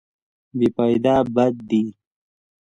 بې فایده بد دی.